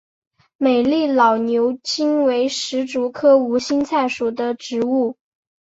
美丽老牛筋为石竹科无心菜属的植物。